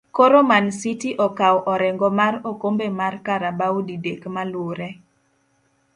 koro Mancity okao orengo mar okombe mar Carabao didek maluree